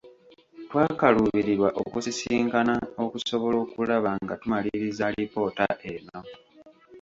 Twakaluubirirwa okusisinkana okusobola okulaba nga tumaliriza alipoota eno.